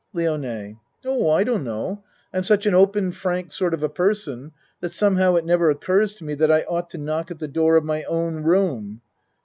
LIONE Oh, I don't know. I'm such an open frank, sort of a person that somehow it never oc curs to me that I ought to knock at the door of my own room.